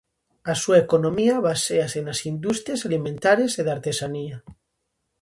A súa economía baséase nas industrias alimentarias e de artesanía.